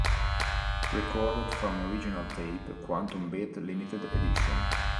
Recorder from original tape Quantum Bit Limited Edition